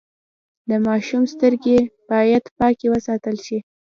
د ماشوم سترګې باید پاکې وساتل شي۔